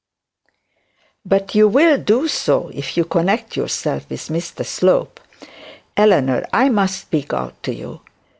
'But you will do so if you connect yourself with Mr Slope. Eleanor, I must speak out to you.